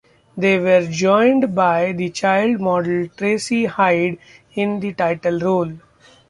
They were joined by the child model Tracy Hyde in the title role.